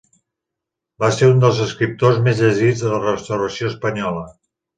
Va ser un dels escriptors més llegits de la Restauració espanyola.